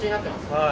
はい。